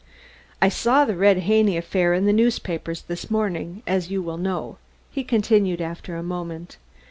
"I saw the Red Haney affair in the newspapers this morning, as you will know," he continued after a moment.